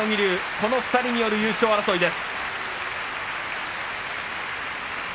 この２人による優勝争いです。